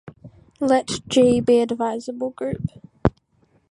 Let "G" be a divisible group.